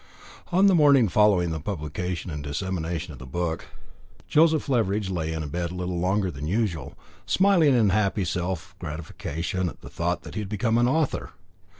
On the morning following the publication and dissemination of the book, Joseph Leveridge lay in bed a little longer than usual, smiling in happy self gratification at the thought that he had become an author.